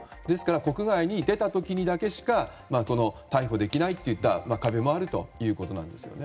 ですから国外に出た時だけしか逮捕できないという壁もあるということです。